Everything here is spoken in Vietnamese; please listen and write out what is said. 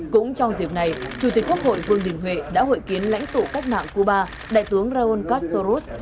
cũng trong dịp này chủ tịch quốc hội vương đình huệ đã hội kiến lãnh tụ cách mạng cuba đại tướng raúl castroz